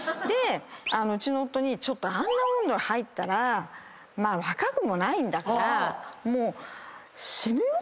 うちの夫にちょっとあんな温度入ったら若くもないんだからもう死ぬよ？って言ったら。